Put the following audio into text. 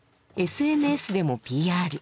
ＳＮＳでもＰＲ。